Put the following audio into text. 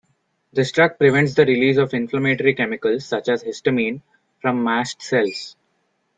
This drug prevents the release of inflammatory chemicals such as histamine from mast cells.